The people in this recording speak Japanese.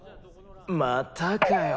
またかよ